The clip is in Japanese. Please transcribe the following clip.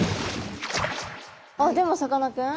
あっでもさかなクン。